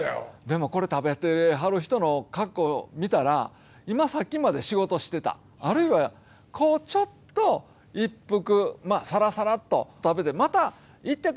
でも、これ食べてはる人の格好を見たら今さっきまで仕事をしてたあるいは、ちょっと一服さらさらっと食べてまた行ってくるで！って。